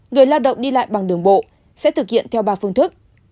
người lao động đi lại bằng đường bộ sẽ thực hiện theo ba phương thức